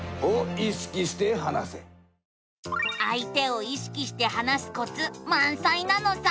あい手を意識して話すコツまんさいなのさ。